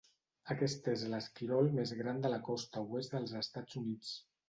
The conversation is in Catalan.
Aquest és l'esquirol més gran de la costa oest dels Estats Units.